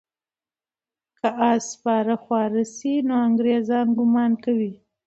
که آس سپاره خواره سي، نو انګریزان ګمان کوي.